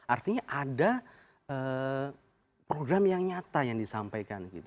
artinya ada program yang nyata yang disampaikan